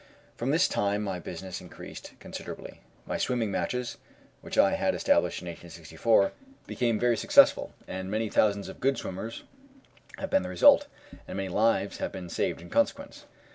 From this time my business increased considerably. My swimming matches, which I had established in 1864, became very successful, and many thousands of good swimmers have been the result, and many lives have been saved in consequence.